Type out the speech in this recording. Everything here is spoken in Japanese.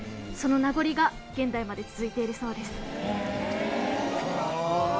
その名残が現代まで続いているそうです・へえ